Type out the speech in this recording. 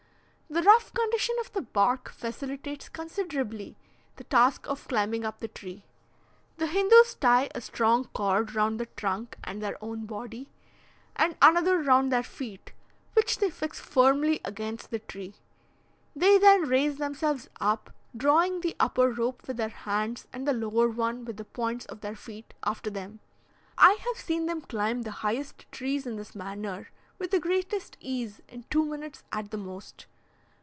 The rough condition of the bark facilitates considerably the task of climbing up the tree. The Hindoos tie a strong cord round the trunk and their own body, and another round their feet, which they fix firmly against the tree; they then raise themselves up, drawing the upper rope with their hands and the lower one with the points of their feet, after them. I have seen them climb the highest trees in this manner with the greatest ease in two minutes at the most.